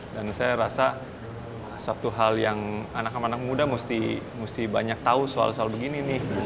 dan saya rasa satu hal yang anak anak muda mesti banyak tahu soal soal begini